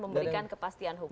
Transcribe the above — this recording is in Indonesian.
memberikan kepastian hukum